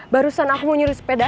barusan aku mau nyuri sepeda